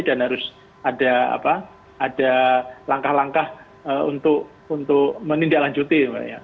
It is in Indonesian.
dan harus ada langkah langkah untuk menindaklanjuti